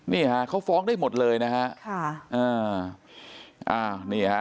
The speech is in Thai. นี่ฮะเขาฟ้องได้หมดเลยนะฮะค่ะอ่าอ่านี่ฮะ